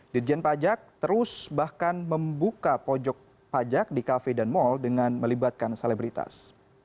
dirjen pajak terus bahkan membuka pojok pajak di kafe dan mal dengan melibatkan selebritas